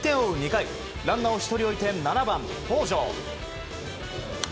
２回ランナーを１人置いて７番、東條。